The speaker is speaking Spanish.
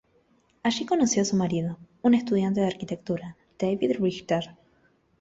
Allí conoció a su marido, un estudiante de arquitectura: David Richter.